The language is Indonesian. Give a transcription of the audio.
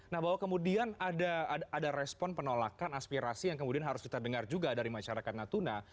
nah bahwa kemudian ada respon penolakan aspirasi yang kemudian harus kita dengar juga dari masyarakat natuna